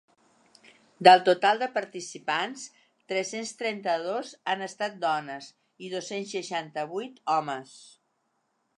Del total de participants, tres-cents trenta-dos han estat dones i dos-cents seixanta-vuit homes.